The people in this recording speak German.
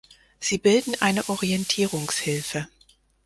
Sie bilden eine Orientierungshilfe.